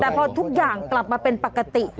แต่พอทุกอย่างกลับมาเป็นปกติ